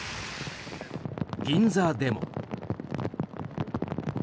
銀座でも。